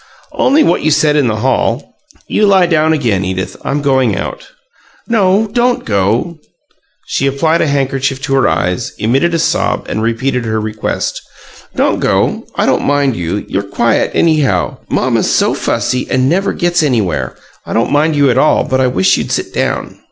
"Only what you said in the hall. You lie down again, Edith. I'm going out." "No; don't go." She applied a handkerchief to her eyes, emitted a sob, and repeated her request. "Don't go. I don't mind you; you're quiet, anyhow. Mamma's so fussy, and never gets anywhere. I don't mind you at all, but I wish you'd sit down."